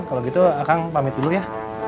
kalau gitu kang pamit dulu ya